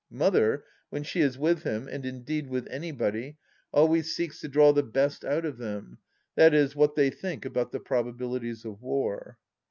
Mother, when she is with him, and indeed with anybody, always seeks to draw the best out of them, i.e. what they think about the probabilities of war.